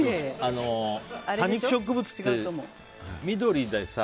多肉植物って緑でさ。